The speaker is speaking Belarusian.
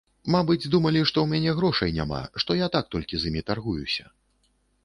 Мабыць, думалі, што ў мяне грошай няма, што я так толькі з імі таргуюся.